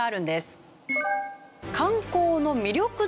観光の魅力度